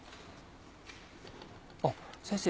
あっ先生